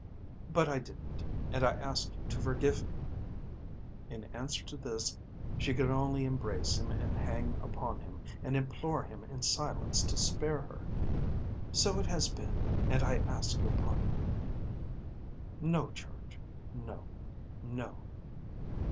But I did it, and I ask you to forgive me." In answer to this she could only embrace him and hang upon him, and implore him in silence to spare her. "So it has been, and I ask your pardon." "No, George, no; no."